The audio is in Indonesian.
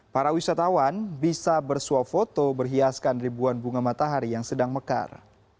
para wisatawan bisa bersuap foto berhiaskan ribuan bunga matahari yang sedang mekar